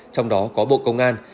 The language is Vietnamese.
trong đó có bộ công an